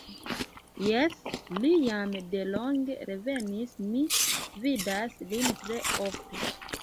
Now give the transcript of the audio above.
Jes, li jam de longe revenis; mi vidas lin tre ofte.